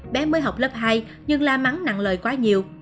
bé mới học lớp hai nhưng la mắn nặng lời quá nhiều